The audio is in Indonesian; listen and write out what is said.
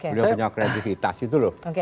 beliau punya kreativitas itu loh